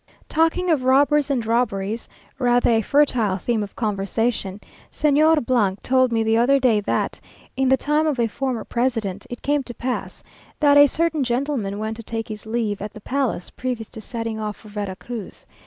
Talking of robbers and robberies, rather a fertile theme of conversation, Señor told me the other day that, in the time of a former president, it came to pass, that a certain gentleman went to take his leave at the palace, previous to setting off for Vera Cruz.